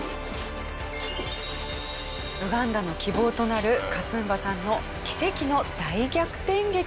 ウガンダの希望となるカスンバさんの奇跡の大逆転劇でした。